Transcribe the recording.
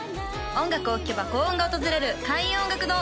音楽を聴けば幸運が訪れる開運音楽堂